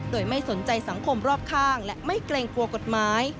โดยไม่สนใจสังคมรอบข้างและไม่เกรงกลัวกฎหมาย